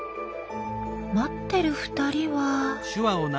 待ってる２人は。